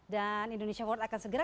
dan indonesia world akan segera